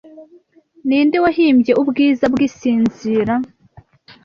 Ninde wahimbye Ubwiza Bwisinzira